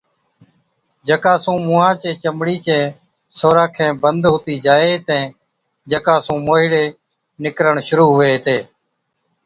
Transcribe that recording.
جڪا سُون مُونهان چِي چمڙِي چين سوراخين بند هُتِي جائي هِتين جڪا سُون موهِيڙي نِڪرڻ شرُوع هُوي هِتي۔